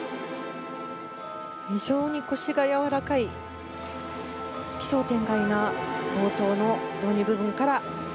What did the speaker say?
非常に腰がやわらかい奇想天外な冒頭の部分から。